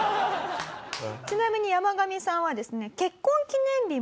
ちなみにヤマガミさんはですね。